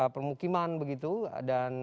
permukiman begitu dan